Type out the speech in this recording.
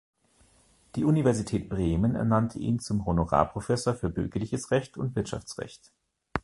Die Universität Bremen ernannte ihn zum Honorarprofessor für Bürgerliches Recht und Wirtschaftsrecht.